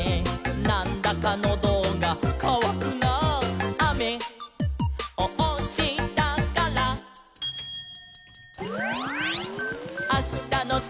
「『なんだかノドがかわくなあ』」「あめをおしたから」「あしたのてんきは」